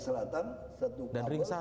sepanjang misalnya merdeka selatan